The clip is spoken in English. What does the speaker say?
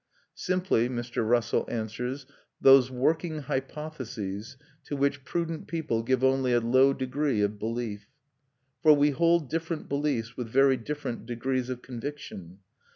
Simply, Mr. Russell answers, those "working hypotheses" to which "prudent people give only a low degree of belief." For "we hold different beliefs with very different degrees of conviction.